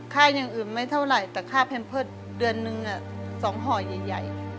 ค่ายังอื่นไม่เท่าไหร่แต่ค่าแพมเพิร์ตเดือนนึงเนี่ยสองหอยใหญ่